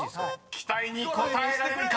［期待に応えられるか？